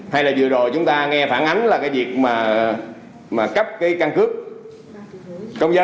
hay là vừa rồi chúng ta nghe phản ánh là cái việc mà cấp cái căn cước công dân